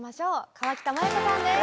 河北麻友子さんです！